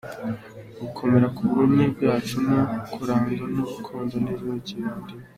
-Gukomera ku bumwe bwacu no kurangwa n’urukundo rwa kivandimwe;